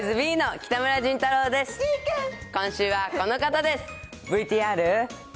今週はこの方です。